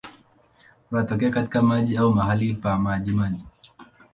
Wanatokea katika maji au mahali pa majimaji.